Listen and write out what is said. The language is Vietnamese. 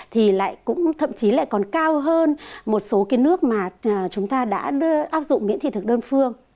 thì lại cũng thậm chí lại còn cao hơn một số cái nước mà chúng ta đã áp dụng miễn thị thực đơn phương